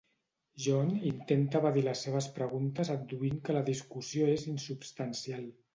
John intenta evadir les seves preguntes adduint que la discussió és insubstancial.